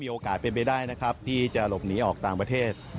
โอกาสเป็นไปได้นะครับที่จะหลบหนีออกต่างประเทศ